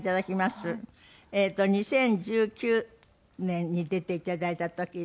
２０１９年に出ていただいた時。